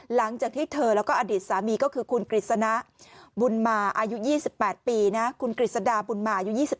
หลังจากที่เธอแล้วก็อดีตสามีก็คือคุณกฤษณะบุญมาอายุ๒๘ปีนะ